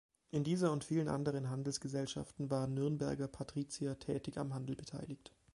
In dieser und vielen anderen Handelsgesellschaften waren Nürnberger Patrizier tätig am Handel beteiligt.